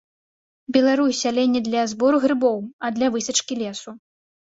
Беларусь, але не для збору грыбоў, а для высечкі лесу.